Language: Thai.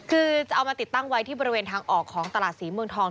คือจะเอามาติดตั้งไว้ที่บริเวณทางออกของตลาดศรีเมืองทอง